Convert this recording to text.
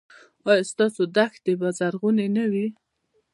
ایا ستاسو دښتې به زرغونې نه وي؟